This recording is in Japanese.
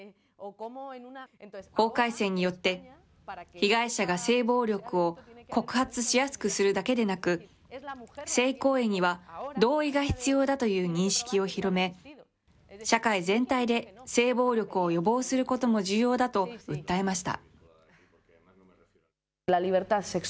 法改正によって被害者が性暴力を告発しやすくするだけでなく、性行為には同意が必要だという認識を広め、社会全体で性暴力を予防することも重要だと訴えました。